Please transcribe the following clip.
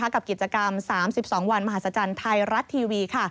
กับกิจกรรม๓๒วันมหาศจรรย์ไทยรัฐทีวี